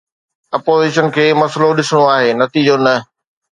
Opposition کي مسئلو ڏسڻو آهي، نتيجو نه.